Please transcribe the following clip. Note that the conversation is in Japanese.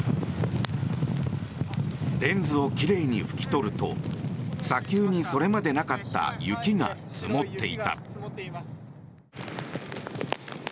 レンズを奇麗に拭き取ると砂丘にそれまでなかった雪が積もっていた。